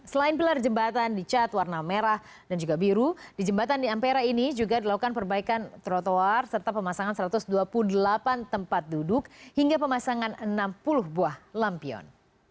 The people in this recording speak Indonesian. selain pilar jembatan dicat warna merah dan juga biru di jembatan di ampera ini juga dilakukan perbaikan trotoar serta pemasangan satu ratus dua puluh delapan tempat duduk hingga pemasangan enam puluh buah lampion